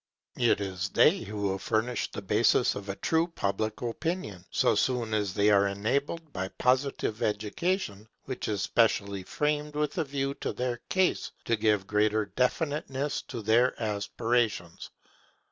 It is they who will furnish the basis of a true public opinion, so soon as they are enabled by Positive education, which is specially framed with a view to their case, to give greater definiteness to their aspirations.